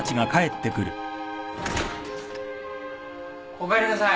・おかえりなさい。